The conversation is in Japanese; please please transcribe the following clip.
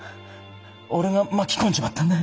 俺が巻き込んじまったんだ。